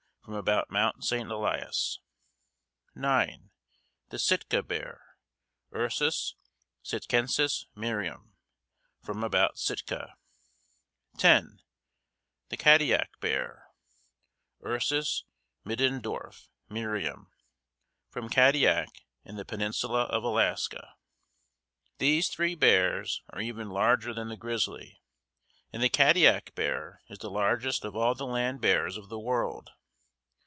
From about Mount St. Elias. 9. THE SITKA BEAR: Ursus sitkensis Merriam. From about Sitka. 10. THE KADIAK BEAR: Ursus middendorfi Merriam. From Kadiak and the Peninsula of Alaska. These three bears are even larger than the grizzly, and the Kadiak Bear is the largest of all the land bears of the world.